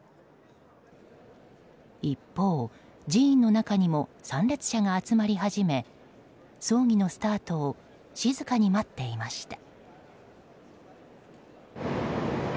一方、寺院の中にも参列者が集まり始め葬儀のスタートを静かに待っていました。